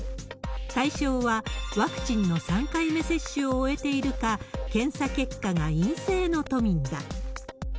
対象は、ワクチンの３回目接種を終えているか、検査結果が陰性の都民だ。